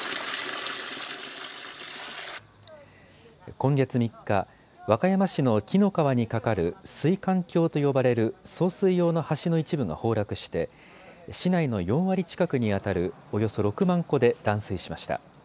今月３日、和歌山市の紀の川に架かる水管橋と呼ばれる送水用の橋の一部が崩落して市内の４割近くにあたるおよそ６万戸で断水しました。